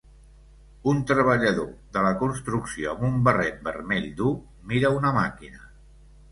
Un treballador de la construcció amb un barret vermell dur mira una màquina.